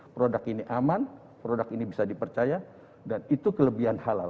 produk ini aman produk ini bisa dipercaya dan itu kelebihan halal